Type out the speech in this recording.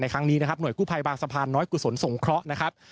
ในครั้งนี้หน่วยกู้ภัยบางสะพานน้อยกุศลสงเคราะห์